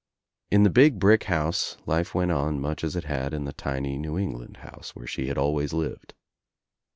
In the big brick house life went on much as It had In the tiny New England house where she had always lived.